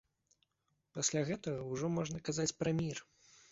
Пасля гэтага ўжо можна казаць пра мір.